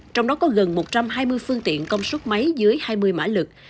trong đó có gần một trăm hai mươi phương tiện công suất máy dưới hai mươi mã lực